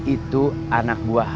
itu anak buah